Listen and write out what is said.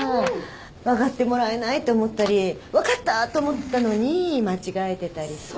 分かってもらえないって思ったり分かったと思ったのに間違えてたりさ。